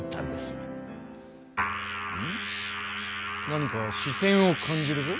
何かし線を感じるぞ？